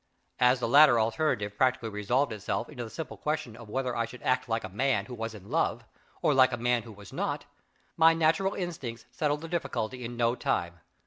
As the latter alternative practically resolved itself into the simple question of whether I should act like a man who was in love, or like a man who was not, my natural instincts settled the difficulty in no time.